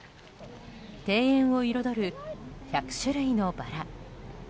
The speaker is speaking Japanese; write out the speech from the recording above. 庭園を彩る１００種類のバラ。